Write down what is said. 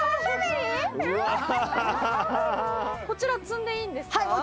こちら摘んでいいんですか？